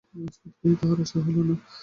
আজ বােধ করি, তাঁহার আসা হইল না।